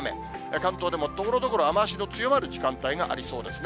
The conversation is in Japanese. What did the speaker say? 関東でもところどころで雨足の強まる時間帯がありそうですね。